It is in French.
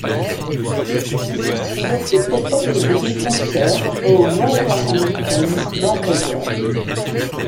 Il occupe le poste de défenseur aux Wolverhampton Wanderers.